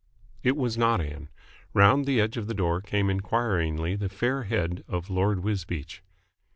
It was not Ann. Round the edge of the door came inquiringly the fair head of Lord Wisbeach.